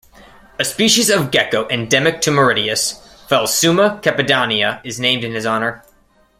A species of gecko endemic to Mauritius, "Phelsuma cepediana", is named in his honour.